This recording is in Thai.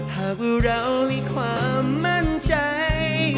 หากว่าเรามีความมั่นใจ